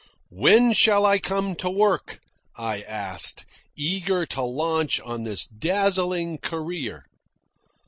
"When shall I come to work?" I asked, eager to launch on this dazzling career.